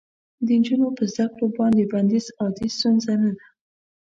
د نجونو په زده کړو باندې بندیز عادي ستونزه نه ده.